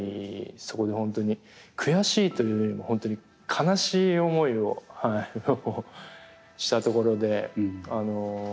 そこで本当に悔しいというよりも本当に悲しい思いをした所で。